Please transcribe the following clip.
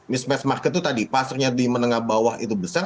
mismatch market itu tadi pasarnya di menengah bawah itu besar